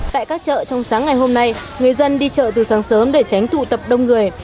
tại các chợ trong sáng ngày hôm nay người dân đi chợ từ sáng sớm để tránh tụ tập đông người